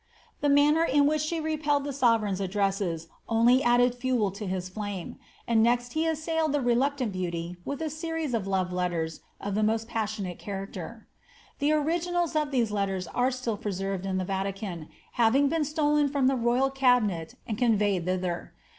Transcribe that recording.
The manner in which she repelled the sovereign's addresses only added fuel to his flame, and next he assailed the reluctant beauty with a series of lore letters of the most passionate character. The ori^nals uf these letters are still preserved in the Vatican, having been stolen from the royal cabinet and confeyed thither.